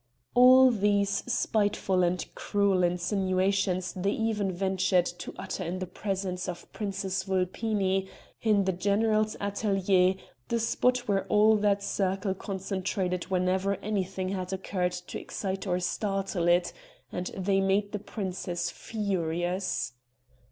All these spiteful and cruel insinuations they even ventured to utter in the presence of Princess Vulpini, in the general's atelier, the spot where all that circle concentrated whenever anything had occurred to excite or startle it, and they made the princess furious.